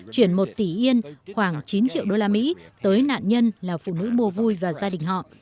chuyển một tỷ yên khoảng chín triệu đô la mỹ tới nạn nhân là phụ nữ mô vui và gia đình họ